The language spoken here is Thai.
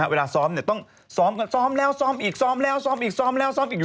เวลาซ้อมต้องซ้อมแล้วซ้อมอีกซ้อมแล้วซ้อมอีกซ้อมอีก